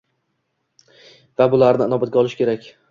va ularni inobatga olish kerak